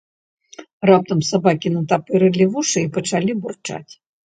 Раптам сабакі натапырылі вушы і пачалі бурчаць.